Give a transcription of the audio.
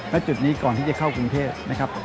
และจุดนี้ก่อนที่จะเข้ากรุงเทพนะครับ